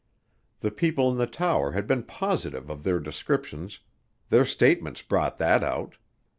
The people in the tower had been positive of their descriptions, their statements brought that out.